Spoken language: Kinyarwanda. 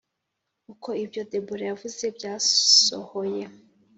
uko ibyo Debora yavuze byasohoye